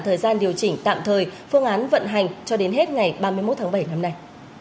thời gian điều chỉnh tạm thời phương án vận hành cho đến hết ngày ba mươi một tháng bảy năm nay